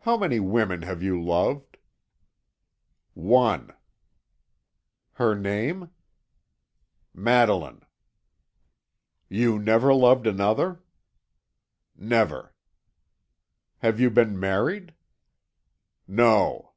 "How many women have you loved?" "One." "Her name?" "Madeline." "You never loved another?" "Never." "Have you been married?" "No."